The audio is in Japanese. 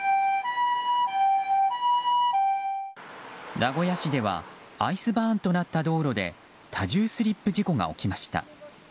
名古屋市ではアイスバーンとなった道路で多重スリップ事故が起きました。